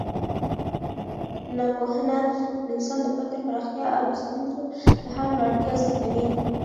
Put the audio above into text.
ننپوهنه د انسان د فکر پراختیا او د ستونزو د حل وړتیا زیاتوي.